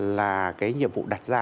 là cái nhiệm vụ đặt ra